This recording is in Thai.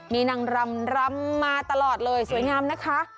มีนางรำรำมาตลอดเลยสวยงามนะคะ